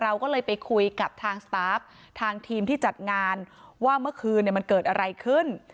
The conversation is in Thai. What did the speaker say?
เราก็เลยไปคุยกับทางสตาฟทางทีมที่จัดงานว่าเมื่อคืนมันเกิดอะไรขึ้น